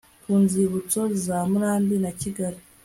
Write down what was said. ku nzibutso za murambi na kigali